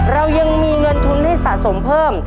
เรายังมีเงินทุนให้สะสมเพิ่ม